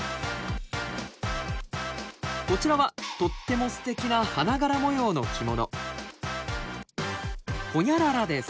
こちらはとってもすてきな花柄模様の着物。